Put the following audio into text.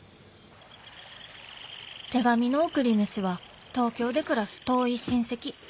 手紙の送り主は東京で暮らす遠い親戚。